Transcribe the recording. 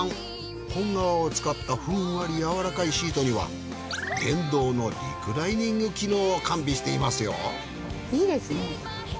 本革を使ったふんわり柔らかいシートには電動のリクライニング機能を完備していますよいいですね。